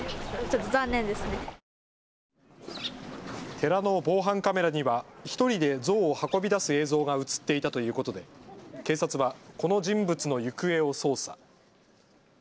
寺の防犯カメラには１人で像を運び出す映像が写っていたということで警察はこの人物の行方を捜査。